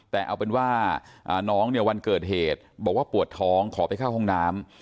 แต่เอาเป็นว่าน้องเนี่ยวันเกิดเหตุบอกว่าปวดท้องขอไปเข้าห้องน้ำ